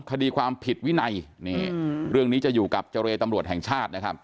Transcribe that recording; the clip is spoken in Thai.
คดีความผิดวินัยนี่เรื่องนี้จะอยู่กับเจรตำรวจแห่งชาตินะครับ